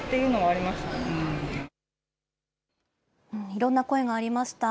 いろんな声がありました。